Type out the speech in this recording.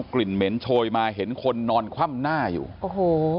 กลิ่นเหม็นโชยมาเห็นคนนอนคว่ำหน้าอยู่โอ้โห